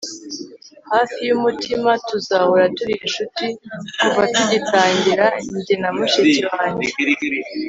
hafi yumutima tuzahora turi inshuti kuva tugitangira njye na mushiki wanjye